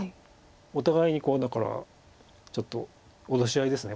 お互いにだからちょっと脅し合いです